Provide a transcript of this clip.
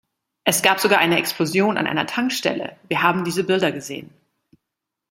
Es gab sogar eine Explosion an einer Tankstelle wir haben diese Bilder gesehen.